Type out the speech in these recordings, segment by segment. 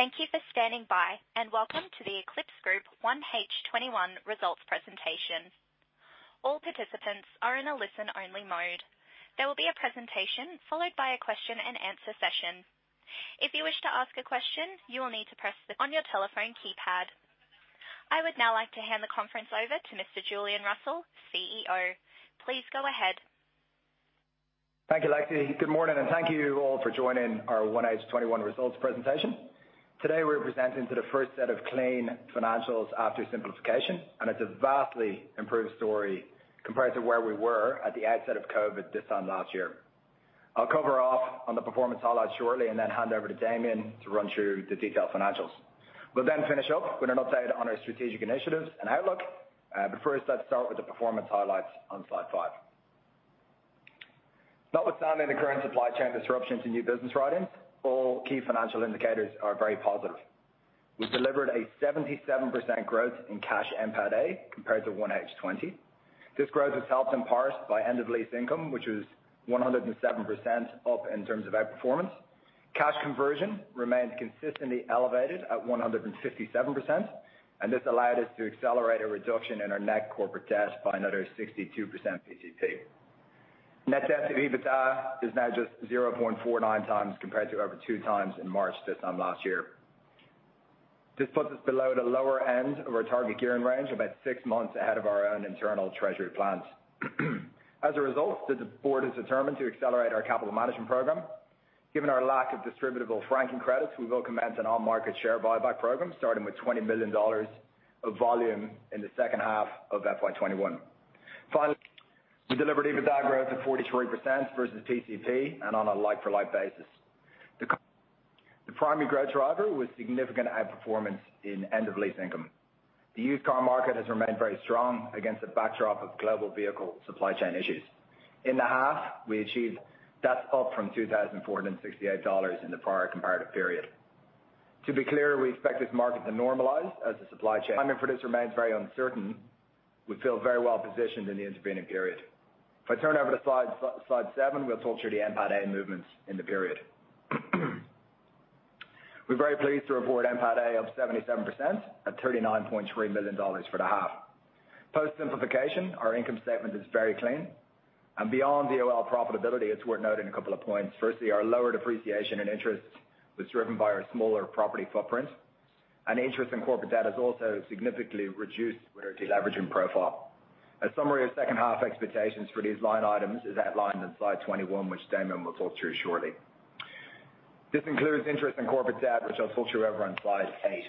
Thank you for standing by, and welcome to the Eclipx Group H1 2021 Results Presentation. All participants are in a listen-only mode. There will be a presentation followed by a question-and-answer session. If you wish to ask a question, you will need to press the on your telephone keypad. I would now like to hand the conference over to Mr. Julian Russell, CEO. Please go ahead. Thank you, Lexi. Good morning, and thank you all for joining our H1 2021 Results Presentation. Today, we're presenting to the first set of clean financials after simplification, and it's a vastly improved story compared to where we were at the outset of COVID this time last year. I'll cover off on the performance highlights shortly and then hand over to Damien to run through the detailed financials. We'll finish up with an update on our strategic initiatives and outlook. First, let's start with the performance highlights on slide five. Notwithstanding the current supply chain disruptions in new business writings, all key financial indicators are very positive. We've delivered a 77% growth in cash NPATA compared to H1 2020. This growth is helped in part by end of lease income, which was 107% up in terms of outperformance. Cash conversion remains consistently elevated at 157%. This allowed us to accelerate a reduction in our net corporate debt by another 62% pcp. Net debt to EBITDA is now just 0.49x compared to over 2x in March this time last year. This puts us below the lower end of our target gearing range, about six months ahead of our own internal treasury plans. As a result, the board is determined to accelerate our capital management program. Given our lack of distributable franking credits, we will commence an on-market share buyback program, starting with 20 million dollars of volume in the second half of FY 2021. Finally, we delivered EBITDA growth of 43% versus pcp and on a like-for-like basis. The primary growth driver was significant outperformance in end-of-lease income. The used car market has remained very strong against the backdrop of global vehicle supply chain issues. In the half, we achieved that up from 2,468 dollars in the prior corresponding period. To be clear, we expect this market to normalize as the supply chain. Timing for this remains very uncertain. We feel very well positioned in the intervening period. If I turn over to slide seven, we'll talk through the NPATA movements in the period. We're very pleased to report NPATA of 77% at 39.3 million dollars for the half. Post-simplification, our income statement is very clean. Beyond the EOL profitability, it's worth noting a couple of points. Firstly, our lower depreciation and interest was driven by our smaller property footprint. Interest in corporate debt has also significantly reduced with our deleveraging profile. A summary of second half expectations for these line items is outlined in slide 21, which Damien will talk through shortly. This includes interest in corporate debt, which I'll talk through over on slide eight.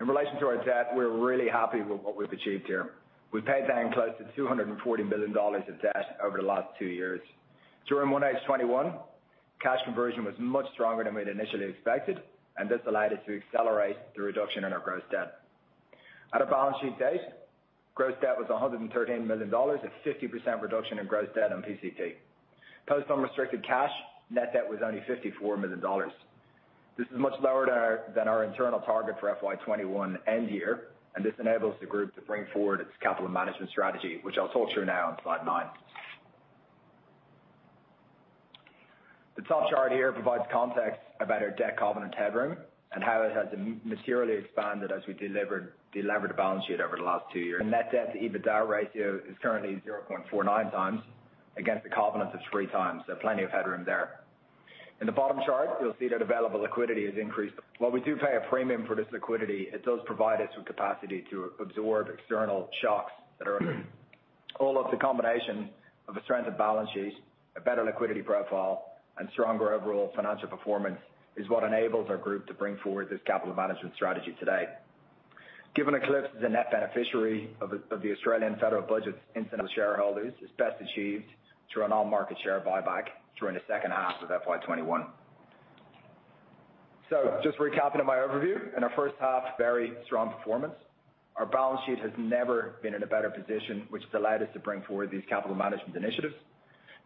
In relation to our debt, we're really happy with what we've achieved here. We've paid down close to 240 million dollars of debt over the last two years. During H1 2021, cash conversion was much stronger than we'd initially expected, and this allowed us to accelerate the reduction in our gross debt. At a balance sheet date, gross debt was 113 million dollars, a 50% reduction in gross debt on pcp. Post unrestricted cash, net debt was only 54 million dollars. This is much lower than our internal target for FY 2021 end year, and this enables the group to bring forward its capital management strategy, which I'll talk through now on slide nine. The top chart here provides context about our debt covenant headroom and how it has materially expanded as we delevered the balance sheet over the last two years. The net debt to EBITDA ratio is currently 0.49x against a covenant of 3x. Plenty of headroom there. In the bottom chart, you'll see that available liquidity has increased. While we do pay a premium for this liquidity, it does provide us with capacity to absorb external shocks. All of the combination of a strengthened balance sheet, a better liquidity profile, and stronger overall financial performance is what enables our group to bring forward this capital management strategy today. Given Eclipx is a net beneficiary of the Australian Federal Budget's instant asset write-off, it's best achieved through an on-market share buyback during the second half of FY 2021. Just recapping on my overview. In our first half, very strong performance. Our balance sheet has never been in a better position, which has allowed us to bring forward these capital management initiatives.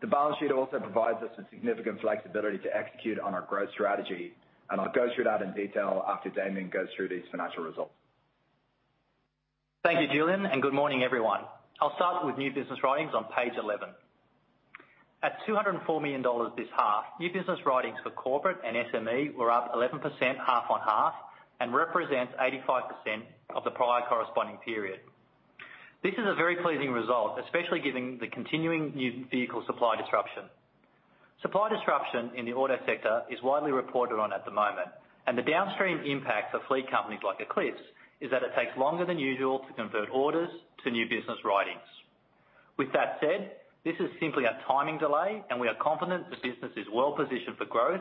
The balance sheet also provides us with significant flexibility to execute on our growth strategy, and I'll go through that in detail after Damien goes through these financial results. Thank you, Julian, and good morning, everyone. I'll start with new business writings on page 11. At 204 million dollars this half, new business writings for corporate and SME were up 11% half on half and represents 85% of the prior corresponding period. This is a very pleasing result, especially given the continuing new vehicle supply disruption. Supply disruption in the auto sector is widely reported on at the moment, the downstream impact for fleet companies like Eclipx is that it takes longer than usual to convert orders to new business writings. With that said, this is simply a timing delay and we are confident the business is well positioned for growth.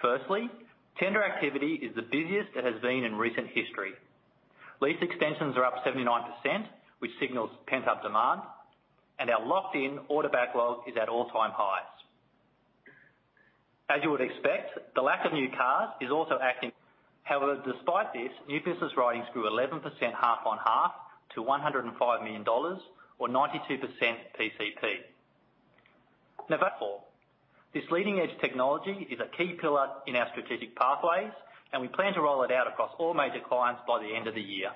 Firstly, tender activity is the busiest it has been in recent history. Lease extensions are up 79%, which signals pent-up demand, and our locked-in order backlog is at all-time highs. As you would expect, the lack of new cars is also, however, despite this, new business writings grew 11% half on half to 105 million dollars or 92% pcp. Therefore, this leading edge technology is a key pillar in our Strategic Pathways, and we plan to roll it out across all major clients by the end of the year.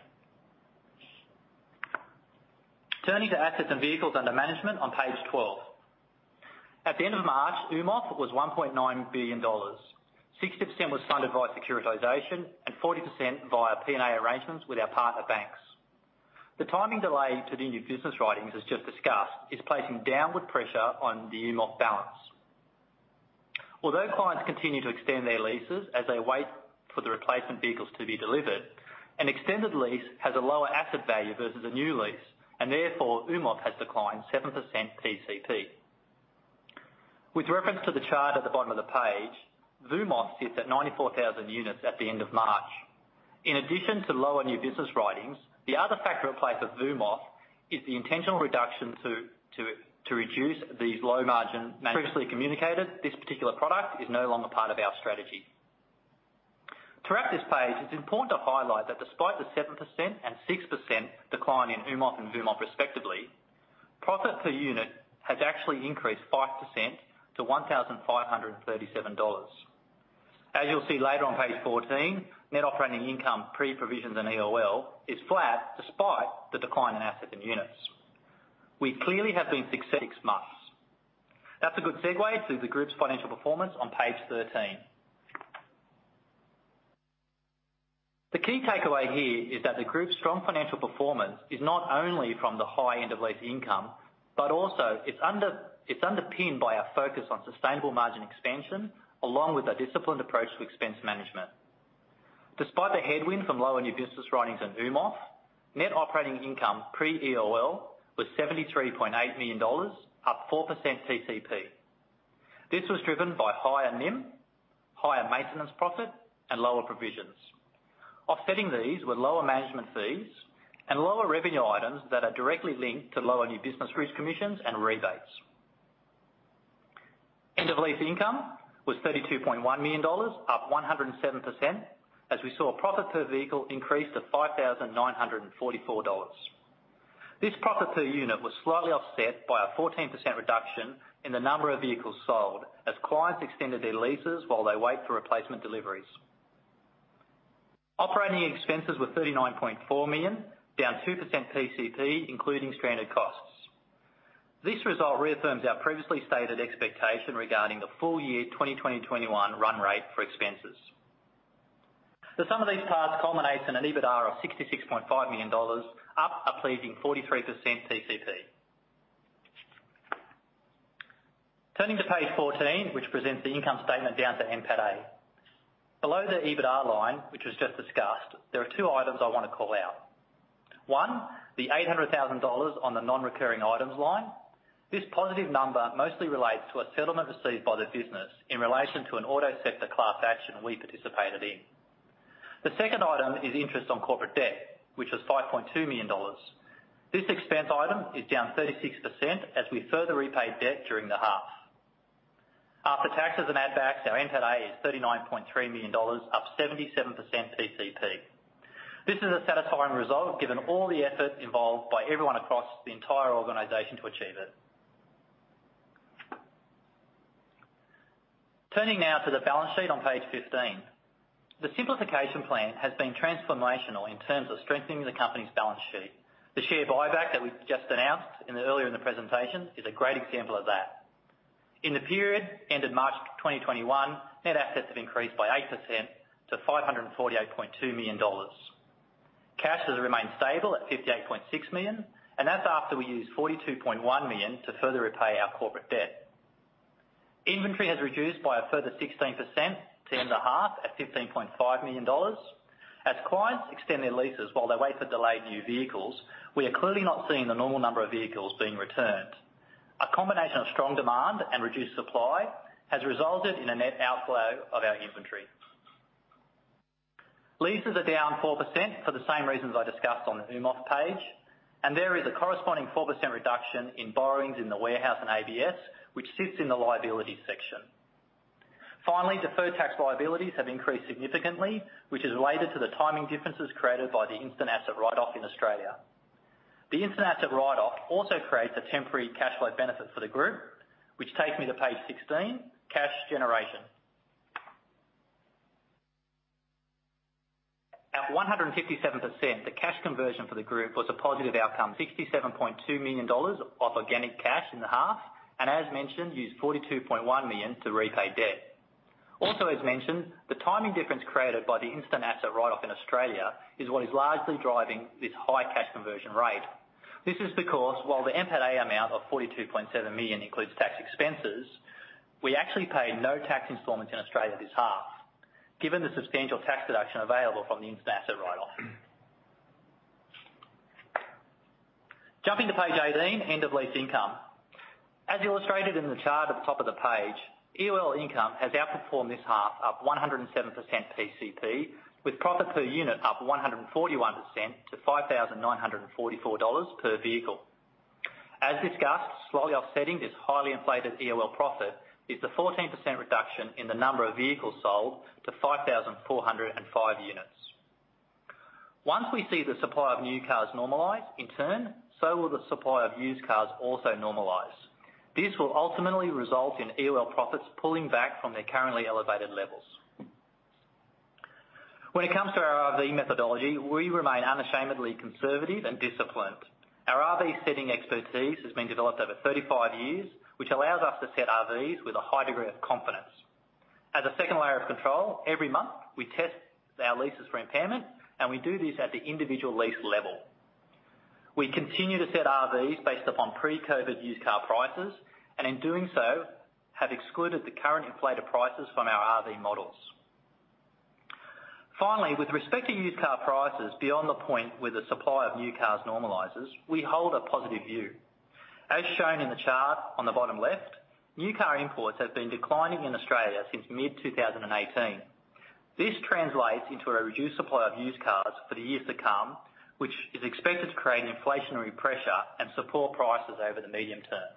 Turning to assets and vehicles under management on page 12. At the end of March, AUMOF was 1.9 billion dollars. 60% was funded by securitization and 40% via P&A arrangements with our partner banks. The timing delay to the new business writings, as just discussed, is placing downward pressure on the AUMOF balance. Although clients continue to extend their leases as they wait for the replacement vehicles to be delivered, an extended lease has a lower asset value versus a new lease, and therefore AUMOF has declined 7% PCP. With reference to the chart at the bottom of the page, VUMOF sits at 94,000 units at the end of March. In addition to lower new business writings, the other factor at play for VUMOF is the intentional reduction to reduce these low margin. Previously communicated, this particular product is no longer part of our strategy. Throughout this page, it's important to highlight that despite the 7% and 6% decline in AUMOF and VUMOF respectively, profit per unit has actually increased 5% to 1,537 dollars. As you'll see later on page 14, net operating income pre-provisions in EOL is flat despite the decline in assets and units. We clearly have been. Six months. That's a good segue to the group's financial performance on page 13. The key takeaway here is that the group's strong financial performance is not only from the high end of lease income, but also it's underpinned by our focus on sustainable margin expansion, along with a disciplined approach to expense management. Despite the headwind from low end new business writings in AUMOF, net operating income pre-EOL was AUD 73.8 million, up 4% PCP. This was driven by higher NIM, higher maintenance profit, and lower provisions. Offsetting these were lower management fees and lower revenue items that are directly linked to lower new business risk commissions and rebates. End of lease income was AUD 32.1 million, up 107%, as we saw profit per vehicle increase to AUD 5,944. This profit per unit was slightly offset by a 14% reduction in the number of vehicles sold as clients extended their leases while they wait for replacement deliveries. Operating expenses were 39.4 million, down 2% PCP, including stranded costs. This result reaffirms our previously stated expectation regarding the full year 2020-2021 run rate for expenses. The sum of these parts culminates in an EBITDA of 66.5 million dollars, up a pleasing 43% PCP. Turning to page 14, which presents the income statement down to NPATA. Below the EBITDA line, which was just discussed, there are two items I want to call out. One, the 800,000 dollars on the non-recurring items line. This positive number mostly relates to a settlement received by the business in relation to an auto sector class action we participated in. The second item is interest on corporate debt, which was 5.2 million dollars. This expense item is down 36% as we further repaid debt during the half. After taxes and add backs, our NPATA is AUD 39.3 million, up 77% PCP. This is a satisfying result given all the effort involved by everyone across the entire organization to achieve it. Turning now to the balance sheet on page 15. The simplification plan has been transformational in terms of strengthening the company's balance sheet. The share buyback that we've just announced earlier in the presentation is a great example of that. In the period ending March 2021, net assets have increased by 8% to 548.2 million dollars. Cash has remained stable at 58.6 million. That's after we used 42.1 million to further repay our corporate debt. Inventory has reduced by a further 16% to end the half at 15.5 million dollars. As clients extend their leases while they wait for delayed new vehicles, we are clearly not seeing the normal number of vehicles being returned. A combination of strong demand and reduced supply has resulted in a net outflow of our inventory. Leases are down 4% for the same reasons I discussed on the AUMOF page, and there is a corresponding 4% reduction in borrowings in the warehouse and ABS, which sits in the liabilities section. Finally, deferred tax liabilities have increased significantly, which is related to the timing differences created by the instant asset write-off in Australia. The instant asset write-off also creates a temporary cash flow benefit for the group, which takes me to page 16, cash generation. At 157%, the cash conversion for the group was a positive outcome, AUD 67.2 million of organic cash in the half, and as mentioned, used AUD 42.1 million to repay debt. Also, as mentioned, the timing difference created by the instant asset write-off in Australia is what is largely driving this high cash conversion rate. This is because while the NPATA amount of 42.7 million includes tax expenses, we actually paid no tax installments in Australia this half, given the substantial tax deduction available from the instant asset write-off. To page 18, end of lease income. As illustrated in the chart at the top of the page, EOL income has outperformed this half, up 107% PCP, with profit per unit up 141% to 5,944 dollars per vehicle. As discussed, slowly offsetting this highly inflated EOL profit is the 14% reduction in the number of vehicles sold to 5,405 units. We see the supply of new cars normalize, in turn, so will the supply of used cars also normalize. This will ultimately result in EOL profits pulling back from their currently elevated levels. It comes to our RV methodology, we remain unashamedly conservative and disciplined. Our RV setting expertise has been developed over 35 years, which allows us to set RVs with a high degree of confidence. As a second layer of control, every month we test our leases for impairment, and we do this at the individual lease level. We continue to set RVs based upon pre-COVID used car prices, and in doing so, have excluded the current inflated prices from our RV models. With respect to used car prices, beyond the point where the supply of new cars normalizes, we hold a positive view. As shown in the chart on the bottom left, new car imports have been declining in Australia since mid-2018. This translates into a reduced supply of used cars for the years to come, which is expected to create inflationary pressure and support prices over the medium term.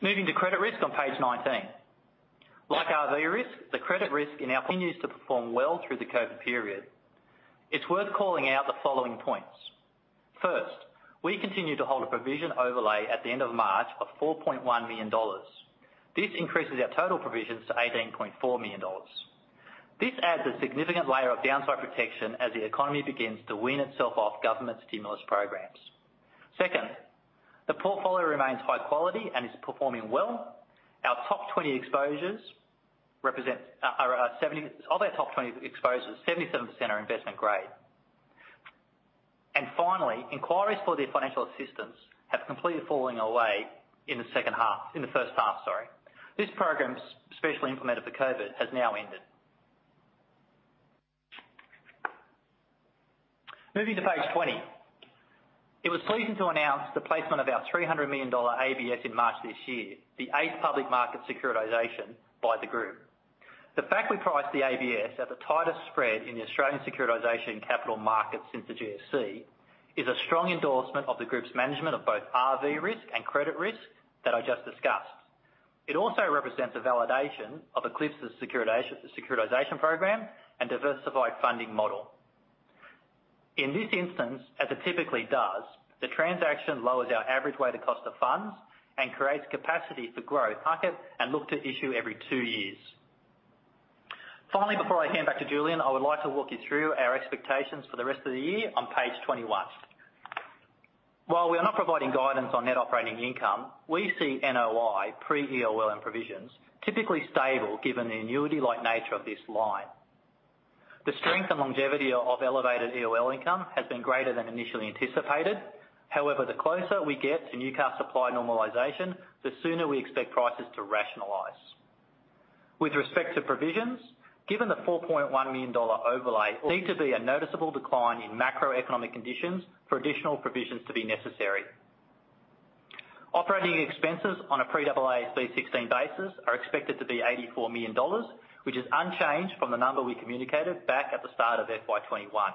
Moving to credit risk on page 19. Like RV risk, the credit risk in our continues to perform well through the COVID period. It's worth calling out the following points. First, we continue to hold a provision overlay at the end of March of 4.1 million dollars. This increases our total provisions to 18.4 million dollars. This adds a significant layer of downside protection as the economy begins to wean itself off government stimulus programs. Second, the portfolio remains high quality and is performing well. Of our top 20 exposures, 77% are investment grade. Finally, inquiries for the financial assistance have completely fallen away in the first half. This program, specially implemented for COVID, has now ended. Moving to page 20. It was pleasing to announce the placement of our AUD 300 million ABS in March this year, the eighth public market securitization by the group. The fact we priced the ABS at the tightest spread in the Australian securitization capital market since the GFC is a strong endorsement of the Group's management of both RV risk and credit risk that I just discussed. It also represents a validation of Eclipx's securitization program and diversified funding model. In this instance, as it typically does, the transaction lowers our average weighted cost of funds and creates capacity for growth. Target and look to issue every two years. Finally, before I hand back to Julian, I would like to walk you through our expectations for the rest of the year on page 21. While we are not providing guidance on net operating income, we see NOI, pre-EOL and provisions, typically stable given the annuity-like nature of this line. The strength and longevity of elevated EOL income has been greater than initially anticipated. However, the closer we get to new car supply normalization, the sooner we expect prices to rationalize. With respect to provisions, given the 4.1 million dollar overlay, need to be a noticeable decline in macroeconomic conditions for additional provisions to be necessary. Operating expenses on a pre-AASB 16 basis are expected to be AUD 84 million, which is unchanged from the number we communicated back at the start of FY 2021.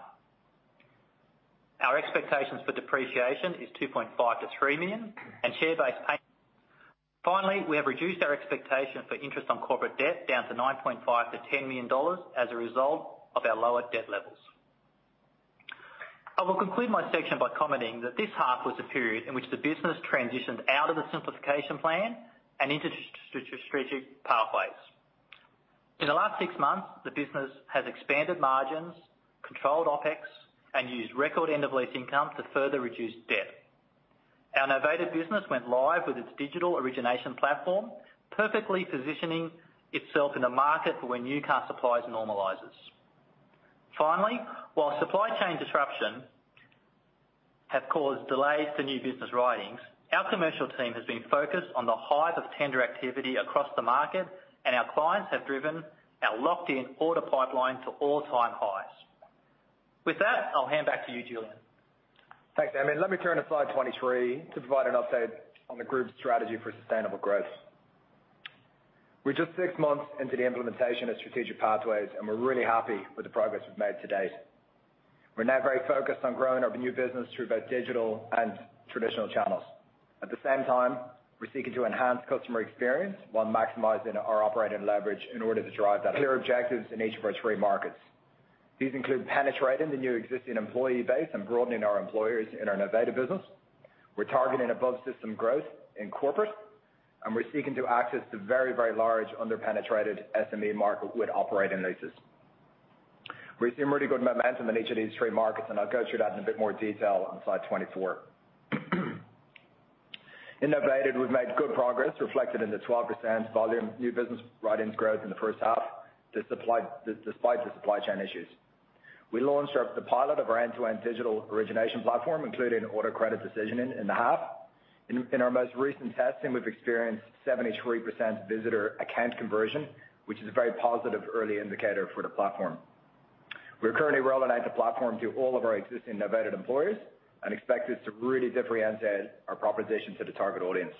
Our expectations for depreciation is 2.5 million-3 million and share-based payments. Finally, we have reduced our expectation for interest on corporate debt down to 9.5 million-10 million dollars as a result of our lower debt levels. I will conclude my section by commenting that this half was a period in which the business transitioned out of the simplification plan and into Strategic Pathways. In the last six months, the business has expanded margins, controlled OpEx, and used record end of lease income to further reduce debt. Our Novated business went live with its digital origination platform, perfectly positioning itself in the market for when new car supplies normalizes. Finally, while supply chain disruption have caused delays to new business writings, our commercial team has been focused on the height of tender activity across the market, and our clients have driven our locked-in order pipeline to all-time highs. With that, I'll hand back to you, Julian. Thanks, Damien. Let me turn to slide 23 to provide an update on the group's strategy for sustainable growth. We're just six months into the implementation of Strategic Pathways, and we're really happy with the progress we've made to date. We're now very focused on growing our new business through both digital and traditional channels. At the same time, we're seeking to enhance customer experience while maximizing our operating leverage in order to drive that clear objectives in each of our three markets. These include penetrating the new existing employee base and broadening our employers in our Novated business. We're targeting above-system growth in corporate, and we're seeking to access the very, very large under-penetrated SME market with operating leases. We've seen really good momentum in each of these three markets, and I'll go through that in a bit more detail on slide 24. In Novated, we've made good progress reflected in the 12% volume new business writings growth in the first half, despite the supply chain issues. We launched the pilot of our end-to-end digital origination platform, including auto credit decisioning in the half. In our most recent testing, we've experienced 73% visitor account conversion, which is a very positive early indicator for the platform. We're currently rolling out the platform to all of our existing Novated employers and expect this to really differentiate our proposition to the target audience.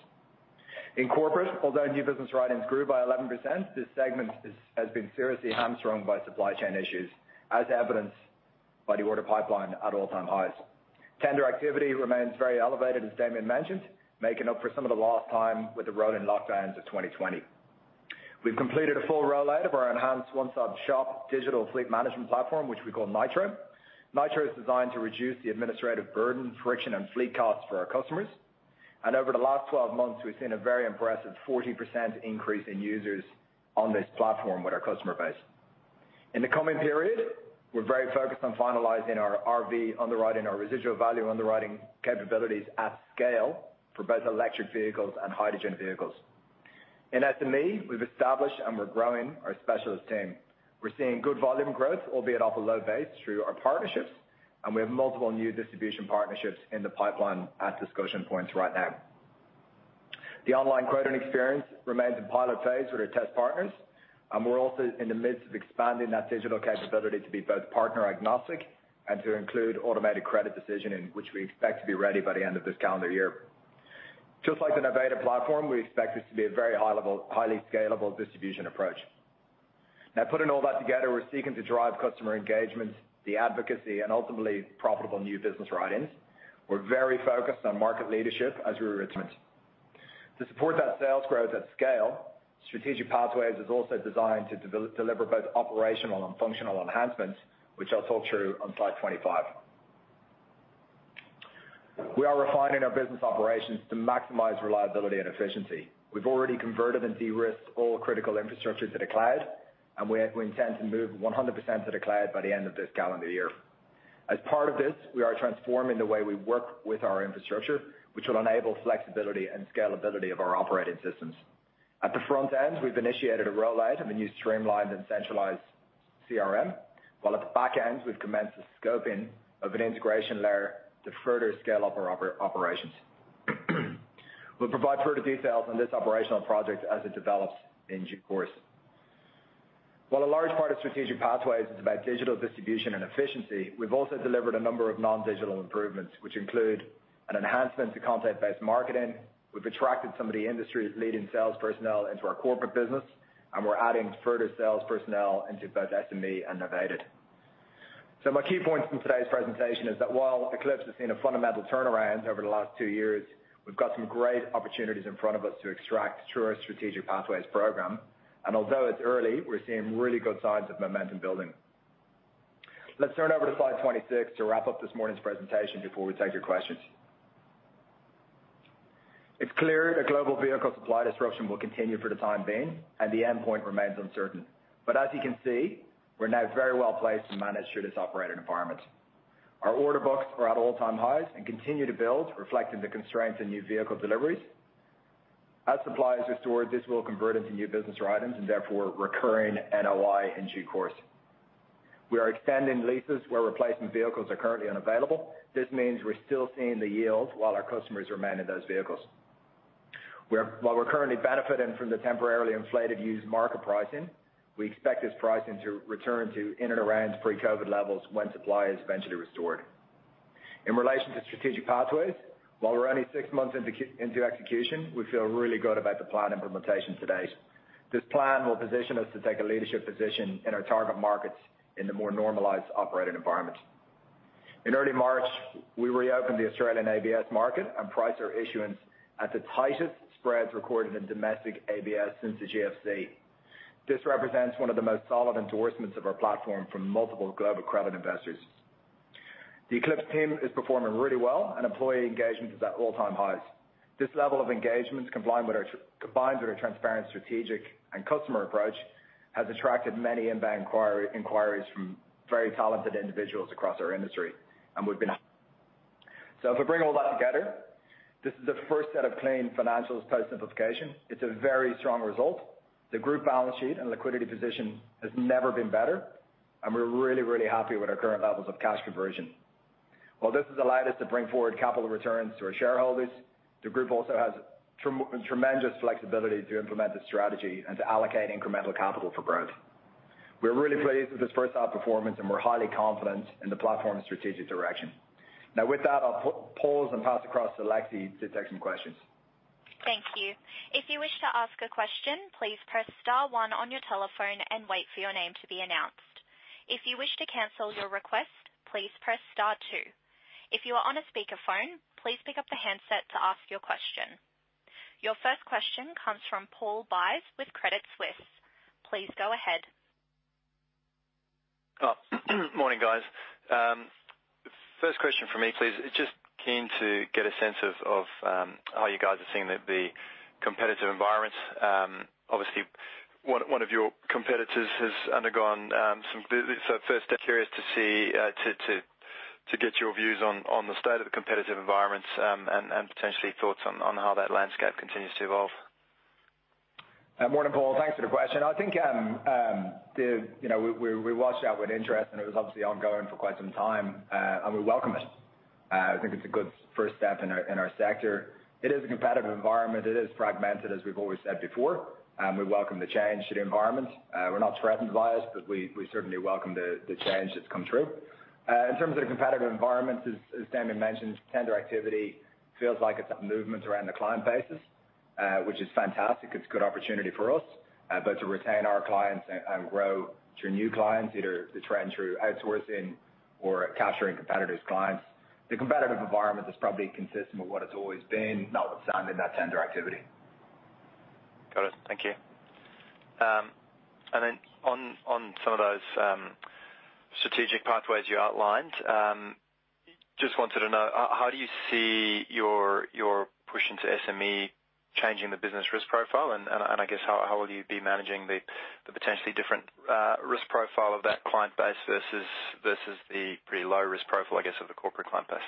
In corporate, although new business writings grew by 11%, this segment has been seriously hamstrung by supply chain issues, as evidenced by the order pipeline at all-time highs. Tender activity remains very elevated, as Damien mentioned, making up for some of the lost time with the rolling lockdowns of 2020. We've completed a full [redesign of our one-stop] digital fleet management platform, which we call Nitro. Nitro is designed to reduce the administrative burden, friction, and fleet costs for our customers. Over the last 12 months, we've seen a very impressive 40% increase in users on this platform with our customer base. In the coming period, we're very focused on finalizing our RV underwriting, our residual value underwriting capabilities at scale for both electric vehicles and hydrogen vehicles. In SME, we've established and we're growing our specialist team. We're seeing good volume growth, albeit off a low base through our partnerships, we have multiple new distribution partnerships in the pipeline at discussion points right now. The online quoting experience remains in pilot phase with our test partners, and we're also in the midst of expanding that digital capability to be both partner agnostic and to include automated credit decision, which we expect to be ready by the end of this calendar year. Just like the Novated platform, we expect this to be a very highly scalable distribution approach. Now, putting all that together, we're seeking to drive customer engagement, the advocacy, and ultimately profitable new business write-ins. We're very focused on market leadership. To support that sales growth at scale, Strategic Pathways is also designed to deliver both operational and functional enhancements, which I'll talk through on slide 25. We are refining our business operations to maximize reliability and efficiency. We've already converted and de-risked all critical infrastructure to the cloud, and we intend to move 100% to the cloud by the end of this calendar year. As part of this, we are transforming the way we work with our infrastructure, which will enable flexibility and scalability of our operating systems. At the front end, we've initiated a rollout of a new streamlined and centralized CRM. While at the back end, we've commenced the scoping of an integration layer to further scale up our operations. We'll provide further details on this operational project as it develops in due course. While a large part of Strategic Pathways is about digital distribution and efficiency, we've also delivered a number of non-digital improvements, which include an enhancement to content-based marketing. We've attracted some of the industry's leading sales personnel into our corporate business, and we're adding further sales personnel into both SME and Novated. My key points from today's presentation is that while Eclipx has seen a fundamental turnaround over the last two years, we've got some great opportunities in front of us to extract through our Strategic Pathways program. Although it's early, we're seeing really good signs of momentum building. Let's turn over to slide 26 to wrap up this morning's presentation before we take your questions. It's clear a global vehicle supply disruption will continue for the time being, and the endpoint remains uncertain. As you can see, we're now very well-placed to manage through this operating environment. Our order books are at all-time highs and continue to build, reflecting the constraints in new vehicle deliveries. As supplies restore, this will convert into new business write-ins and therefore recurring NOI in due course. We are extending leases where replacement vehicles are currently unavailable. This means we're still seeing the yields while our customers are managing those vehicles. While we're currently benefiting from the temporarily inflated used market pricing, we expect this pricing to return to in and around pre-COVID levels when supply is eventually restored. In relation to Strategic Pathways, while we're only six months into execution, we feel really good about the plan implementation to date. This plan will position us to take a leadership position in our target markets in the more normalized operating environment. In early March, we reopened the Australian ABS market and priced our issuance at the tightest spreads recorded in domestic ABS since the GFC. This represents one of the most solid endorsements of our platform from multiple global credit investors. The Eclipx team is performing really well, and employee engagement is at all-time highs. This level of engagement, combined with a transparent strategic and customer approach, has attracted many inbound inquiries from very talented individuals across our industry. If I bring all that together, this is the first set of clean financials post-simplification. It's a very strong result. The group balance sheet and liquidity position has never been better, and we're really happy with our current levels of cash conversion. While this has allowed us to bring forward capital returns to our shareholders, the group also has tremendous flexibility to implement this strategy and to allocate incremental capital for growth. We're really pleased with this first half performance, and we're highly confident in the platform's strategic direction. With that, I'll pause and pass across to Lexi to take some questions. Thank you. If you wish to ask a question, please press star one on your telephone and wait for your name to be announced. If you wish to cancel your request, please press star two. If you are on a speakerphone, please pick up the handset to ask your question. Your first question comes from Paul Buys with Credit Suisse. Please go ahead. Morning, guys. First question from me, please. Just keen to get a sense of how you guys are seeing the competitive environment. Obviously, one of your competitors has undergone. First, curious to get your views on the state of the competitive environment and potentially thoughts on how that landscape continues to evolve. Morning, Paul. Thanks for the question. I think we watched that with interest, and it was obviously ongoing for quite some time. We welcome it. I think it's a good first step in our sector. It is a competitive environment. It is fragmented, as we've always said before. We welcome the change to the environment. We're not threatened by it, but we certainly welcome the change that's come through. In terms of the competitive environment, as Damien mentioned, tender activity feels like it's got movement around the client bases which is fantastic. It's a good opportunity for us, both to retain our clients and grow through new clients, either to trend through outsourcing or capturing competitors' clients. The competitive environment is probably consistent with what it's always been, notwithstanding that tender activity. Got it. Thank you. Then on some of those Strategic Pathways you outlined, just wanted to know, how do you see your push into SME changing the business risk profile? I guess, how will you be managing the potentially different risk profile of that client base versus the pretty low risk profile, I guess, of the corporate client base?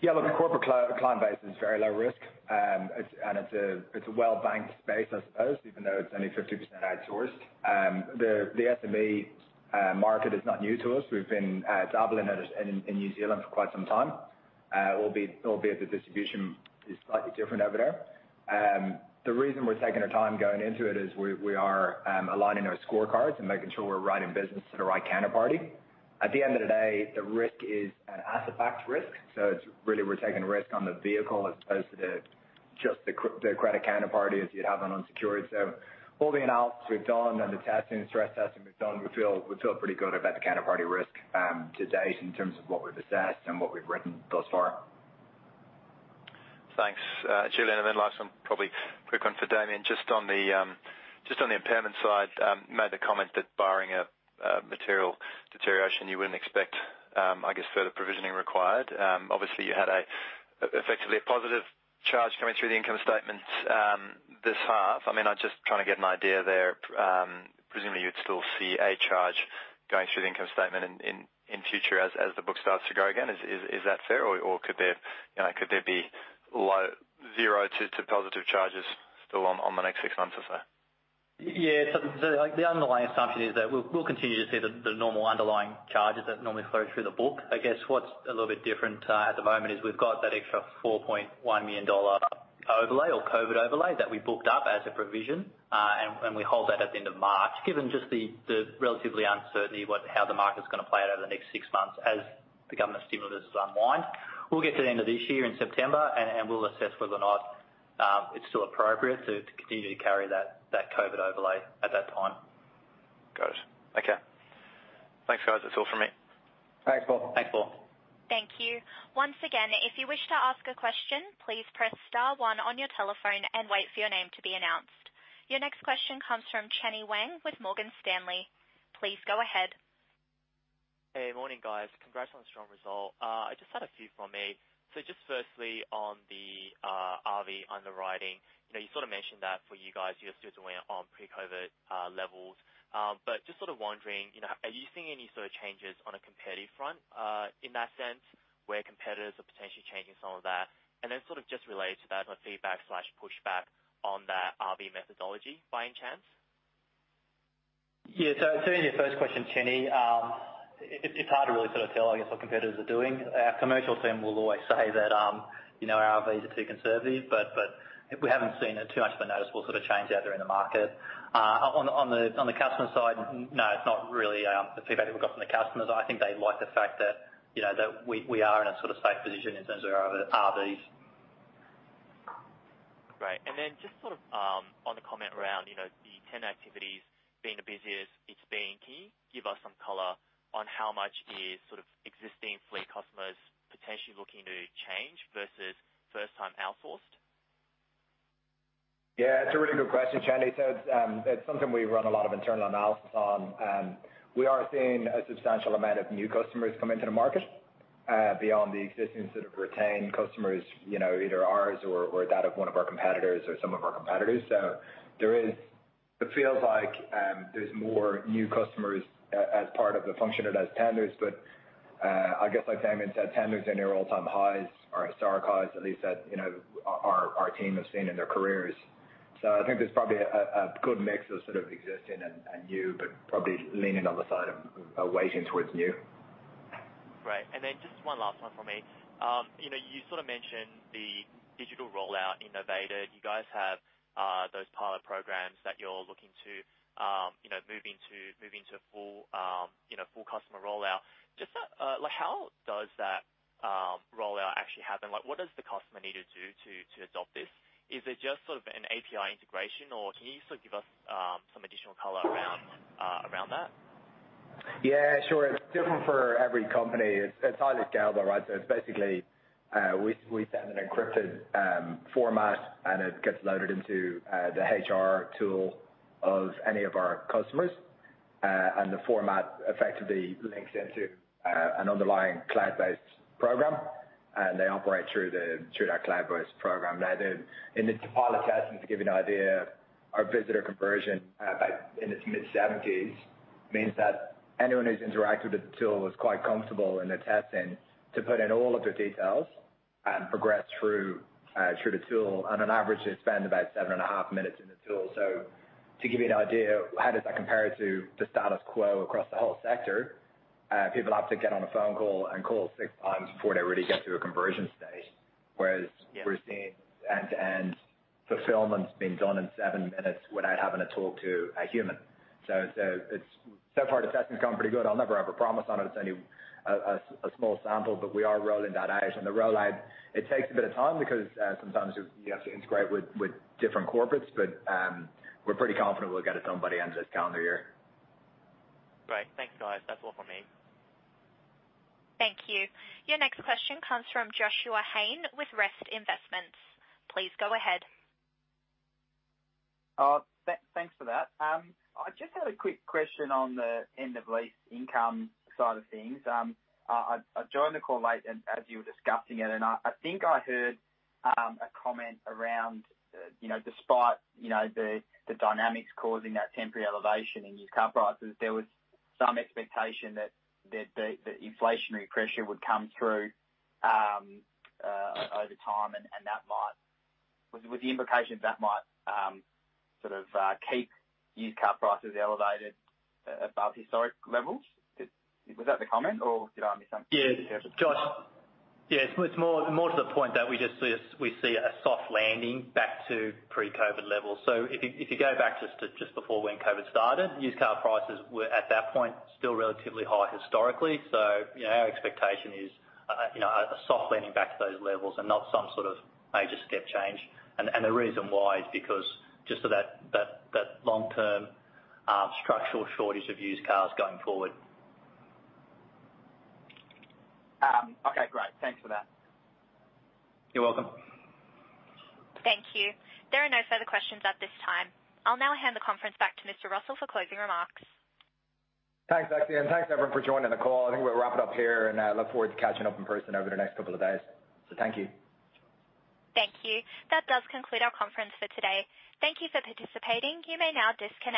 Look, the corporate client base is very low risk. It's a well-banked base, I suppose, even though it's only 50% outsourced. The SME market is not new to us. We've been dabbling in New Zealand for quite some time. Albeit the distribution is slightly different over there. The reason we're taking our time going into it is we are aligning our scorecards and making sure we're writing business to the right counterparty. At the end of the day, the risk is an asset-backed risk. Really we're taking risk on the vehicle as opposed to just the credit counterparty as you'd have on unsecured. All the analysis we've done and the testing and stress testing we've done, we feel pretty good about the counterparty risk to date in terms of what we've assessed and what we've written thus far. Thanks, Julian. Last one, probably a quick one for Damien. Just on the impairment side, you made the comment that barring a material deterioration, you wouldn't expect, I guess, further provisioning required. Obviously, you had effectively a positive charge coming through the income statement this half. I'm just trying to get an idea there. Presumably, you'd still see a charge going through the income statement in future as the book starts to grow again. Is that fair? Could there be zero to positive charges still on the next six months or so? The underlying assumption is that we'll continue to see the normal underlying charges that normally flow through the book. I guess what's a little bit different at the moment is we've got that extra 4.1 million dollar overlay or COVID overlay that we booked up as a provision. We hold that at the end of March, given just the relatively uncertainty how the market's going to play out over the next six months as the government stimulus is unwind. We'll get to the end of this year in September, and we'll assess whether or not it's still appropriate to continue to carry that COVID overlay at that time. Got it. Okay. Thanks, guys. That's all from me. Thanks, Paul. Thanks, Paul. Thank you. Once again, if you wish to ask a question, please press star one on your telephone and wait for your name to be announced. Your next question comes from Chenny Wang with Morgan Stanley. Please go ahead. Hey, morning, guys. Congrats on the strong result. I just had a few from me. Just firstly, on the RV underwriting. You sort of mentioned that for you guys, you're still doing on pre-COVID levels. Just sort of wondering, are you seeing any sort of changes on a competitive front, in that sense, where competitors are potentially changing some of that? Sort of just related to that, on feedback/pushback on that RV methodology by any chance? Yeah. To your first question, Chenny, it's hard to really sort of tell, I guess, what competitors are doing. Our commercial team will always say that our RVs are too conservative, we haven't seen too much of a noticeable sort of change out there in the market. On the customer side, no, it's not really the feedback that we've got from the customers. I think they like the fact that we are in a sort of safe position in terms of our RVs. Great. Just sort of on the comment around the tender activities being the busiest it's been. Can you give us some color on how much is sort of existing fleet customers potentially looking to change versus first time outsourced? Yeah, it's a really good question, Chenny. It's something we run a lot of internal analysis on. We are seeing a substantial amount of new customers come into the market, beyond the existing sort of retained customers, either ours or that of one of our competitors or some of our competitors. It feels like there's more new customers as part of the function of those tenders. I guess, like Damien said, tenders are near all-time highs or historic highs, at least that our team have seen in their careers. I think there's probably a good mix of sort of existing and new, but probably leaning on the side of weighting towards new. Great. Just one last one for me. You sort of mentioned the digital rollout in Novated. You guys have those pilot programs that you're looking to move into full customer rollout. Just how does that rollout actually happen? What does the customer need to do to adopt this? Is it just sort of an API integration, or can you sort of give us some additional color around that? Sure, it's different for every company. It's highly scalable, right? It's basically, we send an encrypted format, and it gets loaded into the HR tool of any of our customers. The format effectively links into an underlying cloud-based program, and they operate through that cloud-based program. Then, in the pilot testing, to give you an idea, our visitor conversion in its mid-70s means that anyone who's interacted with the tool was quite comfortable in the testing to put in all of their details and progress through the tool. On average, they spend about 7.5 minutes in the tool. To give you an idea, how does that compare to the status quo across the whole sector? People have to get on a phone call and call 6x before they really get to a conversion stage. Whereas we're seeing end-to-end fulfillments being done in seven minutes without having to talk to a human. Far, the testing's gone pretty good. I'll never overpromise on it. It's only a small sample, but we are rolling that out. The rollout, it takes a bit of time because sometimes you have to integrate with different corporates. We're pretty confident we'll get it done by the end of this calendar year. Great. Thanks, guys. That's all from me. Thank you. Your next question comes from Joshua Hain with Rest Investments. Please go ahead. Thanks for that. I just had a quick question on the end of lease income side of things. I joined the call late as you were discussing it, and I think I heard a comment around despite the dynamics causing that temporary elevation in used car prices, there was some expectation that the inflationary pressure would come through over time, and with the implication that might sort of keep used car prices elevated above historic levels. Was that the comment, or did I miss something? Joshua. It's more to the point that we see a soft landing back to pre-COVID levels. If you go back just to before when COVID started, used car prices were, at that point, still relatively high historically. Our expectation is a soft landing back to those levels and not some sort of major step change. The reason why is because just of that long-term structural shortage of used cars going forward. Okay, great. Thanks for that. You're welcome. Thank you. There are no further questions at this time. I'll now hand the conference back to Mr. Russell for closing remarks. Thanks, Lexi, thanks, everyone, for joining the call. I think we'll wrap it up here, and I look forward to catching up in person over the next couple of days. Thank you. Thank you. That does conclude our conference for today. Thank you for participating. You may now disconnect.